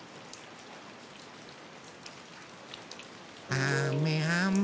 あめあめ。